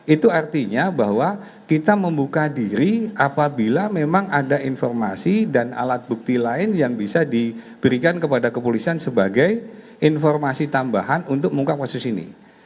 itu artinya bahwa kita membuka diri apabila memang ada informasi dan alat bukti lain yang bisa diberikan kepada kepolisian sebagai informasi tambahan untuk mengungkap kasus ini